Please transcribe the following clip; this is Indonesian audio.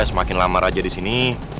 semakin lama raja di sini